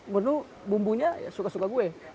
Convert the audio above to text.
menu bumbunya suka suka gue